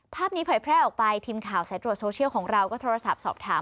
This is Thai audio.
ภาพนี้เผยแพร่ออกไปทีมข่าวสายตรวจโซเชียลของเราก็โทรศัพท์สอบถาม